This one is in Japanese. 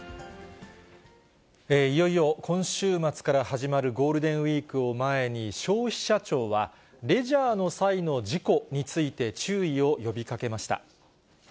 いよいよ今週末から始まるゴールデンウィークを前に、消費者庁は、レジャーの際の事故について注意を呼びかけました。